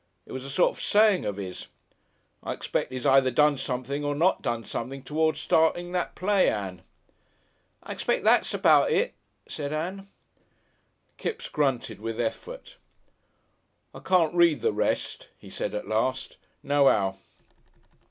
It was a sort of saying of 'is. I expect 'e's either done something or not done something towards starting that play, Ann." "I expect that's about it," said Ann. Kipps grunted with effort. "I can't read the rest," he said at last, "nohow."